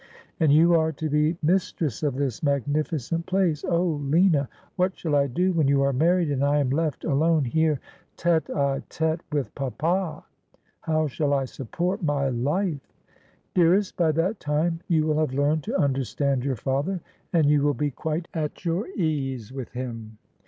' And you are to be mistress of this magnificent place. Oh, Lina, what shall I do when you are married, and I am left 94 Asphodel. alone here tete d tHp. with papa ? How shall I support my life ?'' Dearest, by that time you will have learned to understand your father, and you will be quite at your ease with him.'